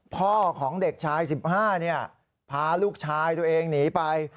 พ่อของเด็กชาย๑๕พาลูกชายตัวเองหนีไป